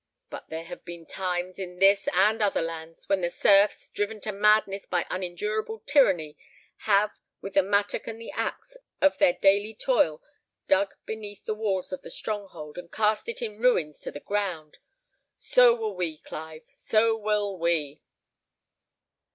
But there have been times in this and other lands when the serfs, driven to madness by unendurable tyranny, have, with the mattock and the axe of their daily toil, dug beneath the walls of the stronghold, and cast it in ruins to the ground. So will we, Clive; so will we!"